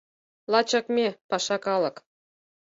Лачак ме, паша калык